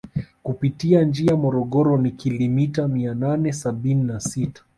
Kupitia njia Morogoro ni kilimita Mia nane Sabini na Sita